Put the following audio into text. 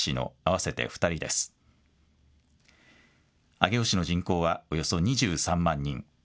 上尾市の人口はおよそ２３万人。